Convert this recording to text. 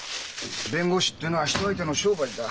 弁護士ってのは人相手の商売だ。